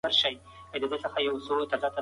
ټولنيز علوم د انسان چلند او پايلي ارزوي.